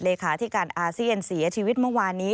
เลขาที่การอาเซียนเสียชีวิตเมื่อวานนี้